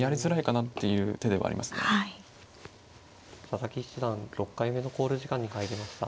佐々木七段６回目の考慮時間に入りました。